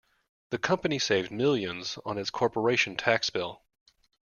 The company saved millions on its corporation tax bill.